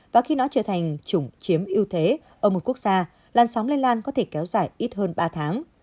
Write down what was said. và khi nó trở thành chủng chiếm ưu thế ở một quốc gia làn sóng lây lan có thể kéo dài ít hơn ba tháng